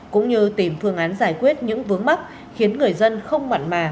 cũng như tìm phương án giải quyết những vướng mắt khiến người dân không mặn mà